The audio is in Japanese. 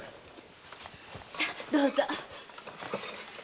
さあどうぞ！